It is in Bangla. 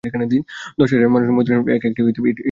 দশ হাজার মানুষ মদীনার ইট একটি একটি করে খুলে নিবে অনায়াসে।